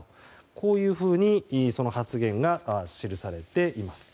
こういうふうに発言が記されています。